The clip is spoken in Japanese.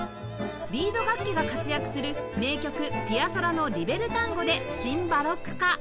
リード楽器が活躍する名曲ピアソラの『リベルタンゴ』でシン・バロック化